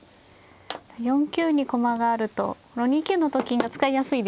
４九に駒があると２九のと金が使いやすいですね